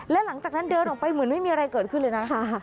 และหลังจากนั้นเดินออกไปเหมือนไม่มีอะไรเกิดขึ้นเลยนะคะ